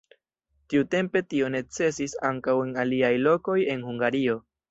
Tiutempe tio necesis ankaŭ en aliaj lokoj en Hungario.